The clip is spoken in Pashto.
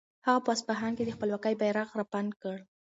هغه په اصفهان کې د خپلواکۍ بیرغ رپاند کړ.